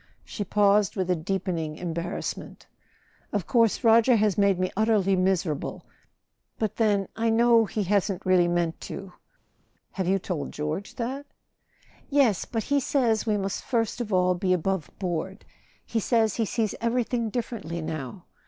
She paused with a deepening embarrassment. "Of course Roger has made me utterly miserable—but then I know he really hasn't meant to." "Have you told George that?" "Yes. But he says we must first of all be above¬ board. He says he sees everything differently now.